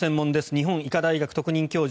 日本医科大学特任教授